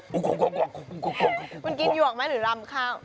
มึงกินหยวกมั้ยหรือรำข้าว